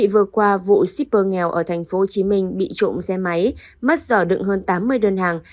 vừa qua vụ shipper nghèo ở tp hcm bị trộm xe máy mất sở đựng hơn tám mươi đơn hàng